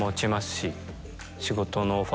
仕事の。